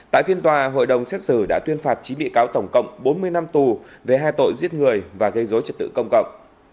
tại phiên tòa hội đồng xét xử đã tuyên phạt chín bị cáo tổng cộng bốn mươi năm tù về hai tội giết người và gây dối trật tự công cộng